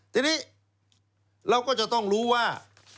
ทีนี้เราก็จะต้องรู้ว่า